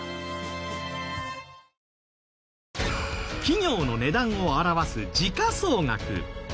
企業の値段を表す時価総額。